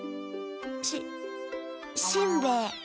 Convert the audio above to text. ししんべヱ。